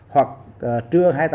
hoặc trưa hai mươi tám